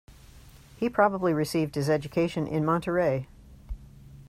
He probably received his education in Monterrey.